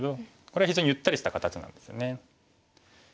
これ非常にゆったりした形なんですね。